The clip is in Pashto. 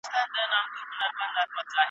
د ښکاري د تور په منځ کي ګرځېدلې ,